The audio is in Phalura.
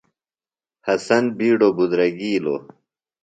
حسن بِیڈوۡ بِدرگِیلوۡ۔